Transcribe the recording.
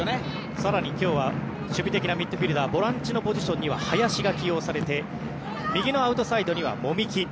更に今日は守備的なミッドフィールダーボランチのポジションには林が起用されて右のアウトサイドには籾木。